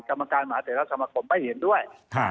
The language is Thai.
กรรมการหมาแต่ละสมคมไม่เห็นด้วย